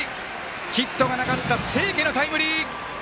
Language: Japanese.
ヒットがなかった清家のタイムリー！